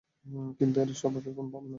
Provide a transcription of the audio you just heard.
কিন্তু এর স্বপক্ষে কোন প্রমাণ নেই।